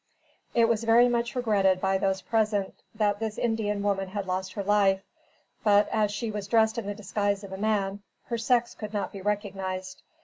It was very much regretted by those present that this Indian woman had lost her life; but, as she was dressed in the disguise of a man, her sex could not be recognized.